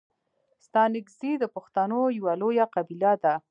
ستانگزي د پښتنو یو لويه قبیله ده.